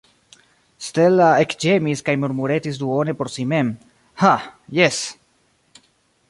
Stella ekĝemis kaj murmuretis duone por si mem: « Ha, jes! »